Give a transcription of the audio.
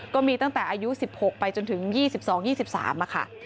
ก็มีตั้งแต่อายุ๑๖ไปจนถึง๒๒๒๓ค่ะ